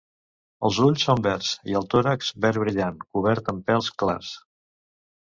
Els ulls són verds i el tòrax verd brillant cobert amb pèls clars.